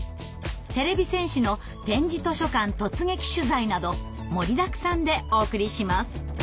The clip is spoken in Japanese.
てれび戦士の「点字図書館突撃取材」など盛りだくさんでお送りします。